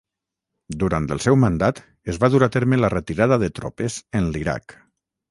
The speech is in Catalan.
Durant el seu mandat es va dur a terme la retirada de tropes en l'Iraq.